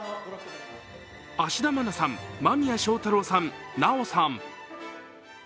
芦田愛菜さん、間宮祥太朗さん、奈緒さん。